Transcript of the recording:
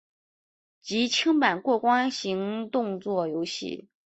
即清版过关型动作游戏。